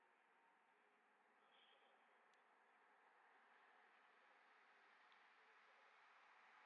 看到是一條頸巾